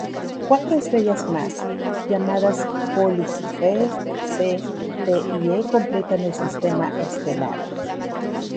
Cuatro estrellas más, llamadas Polis B, C, D y E completan el sistema estelar.